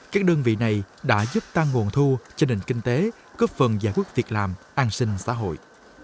các đơn vị này đã giúp tăng nguồn thu cho nền kinh tế góp phần giải quyết việc làm an sinh xã hội